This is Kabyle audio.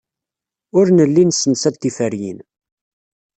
Ur nelli nessemsad tiferyin.